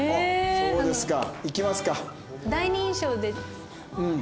そうですね。